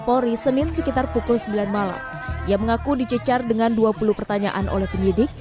polri senin sekitar pukul sembilan malam ia mengaku dicecar dengan dua puluh pertanyaan oleh penyidik